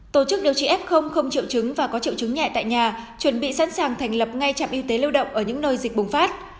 tổ chức điều trị f không triệu chứng và có triệu chứng nhẹ tại nhà chuẩn bị sẵn sàng thành lập ngay trạm y tế lưu động ở những nơi dịch bùng phát